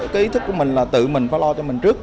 cái ý thức của mình là tự mình phải lo cho mình trước